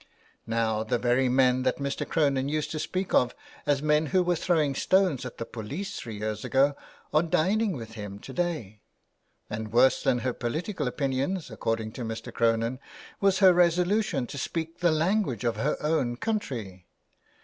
" Now the very men that Mr. Cronin used to speak of as men who were throwing stones at the police three years ago are dining with him to day," and worse than her political opinions, according to Mr. Cronin, was her resolution to speak the lan guage of her own country.